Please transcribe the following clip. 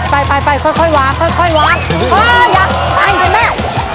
ไปไปไปค่อยค่อยวางค่อยค่อยวางโอ้ยอย่าไอ้แม่